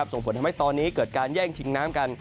ส่งผลทำให้ตอนนี้เกิดการแย่งชิงน้ำกัน